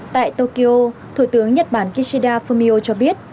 tại tokyo thủ tướng nhật bản kishida fumio cho biết